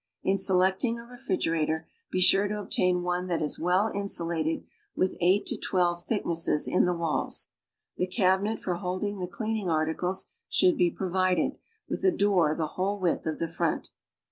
In selecting a refrig erator, be sure to obtain one that is well insulated with eight to twelve thicknesses in the walls. The cabinet for holding the clean ing articles should be provided with a door the whole width of the front.